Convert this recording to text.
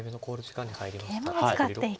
桂馬を使っていく。